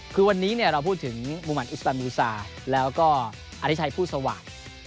คือวันนี้เราพูดถึงมุมัติอิสตันบูซาแล้วก็อธิชัยผู้สวาสตร์